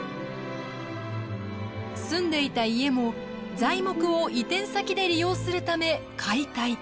住んでいた家も材木を移転先で利用するため解体。